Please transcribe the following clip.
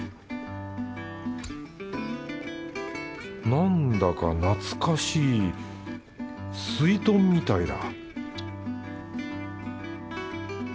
なんだか懐かしいすいとんみたいだ